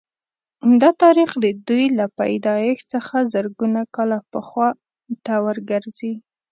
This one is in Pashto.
دا تاریخ د دوی له پیدایښت څخه زرګونه کاله پخوا ته ورګرځي